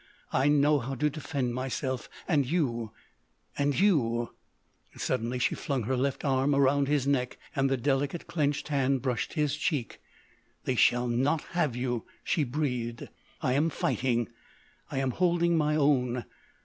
I know how to defend myself and you!... And you!" Suddenly she flung her left arm around his neck and the delicate clenched hand brushed his cheek. "They shall not have you," she breathed. "I am fighting. I am holding my own.